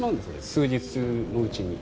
数日のうちに。